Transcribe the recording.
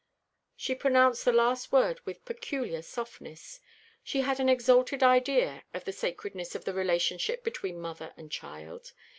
She pronounced the last word with peculiar softness. She had an exalted idea of the sacredness of the relationship between mother and child.